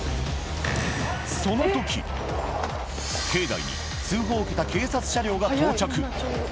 その時、境内に通報を受けた警察車両が到着。